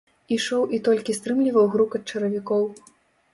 Ішоў і толькі стрымліваў грукат чаравікаў.